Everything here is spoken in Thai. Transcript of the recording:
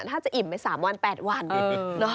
ถ้าจะอิ่มไหม๓วัน๘วันเนอะ